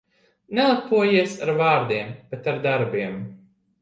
Nelepojies ar vārdiem, bet ar darbiem.